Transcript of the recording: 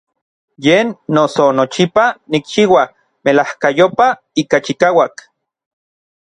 Yen noso nochipa nikchiua melajkayopaj ika chikauak.